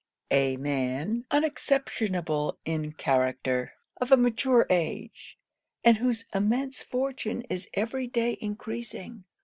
A man unexceptionable in character; of a mature age; and whose immense fortune is every day encreasing.